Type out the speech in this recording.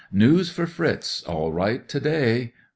News for Fritz, all right, to day."